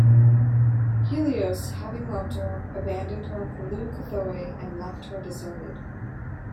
Helios, having loved her, abandoned her for Leucothoe and left her deserted.